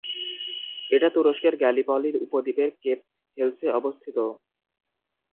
এটি তুরস্কের Gallipoli উপদ্বীপের Cape হেলসে অবস্থিত।